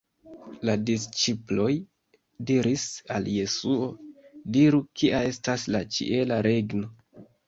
La disĉiploj diris al Jesuo: “Diru kia estas la ĉiela regno”.